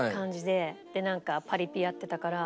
でなんかパリピやってたから。